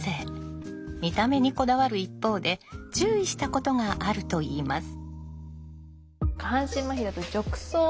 見た目にこだわる一方で注意したことがあるといいます。